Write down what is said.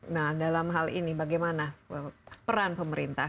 nah dalam hal ini bagaimana peran pemerintah